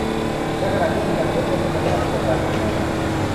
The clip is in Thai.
ในขณะที่มีการใช้งบจำนวนมากไปกับการดูงาน